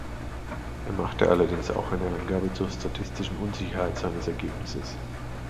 Er machte allerdings auch eine Angabe zur statistischen Unsicherheit seines Ergebnisses.